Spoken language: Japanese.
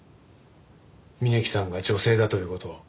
峯木さんが女性だという事を。